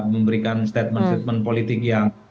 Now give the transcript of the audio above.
memberikan statement statement politik yang